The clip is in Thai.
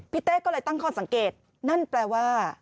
เต้ก็เลยตั้งข้อสังเกตนั่นแปลว่า